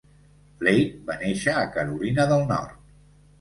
Flake va néixer a Carolina del Nord.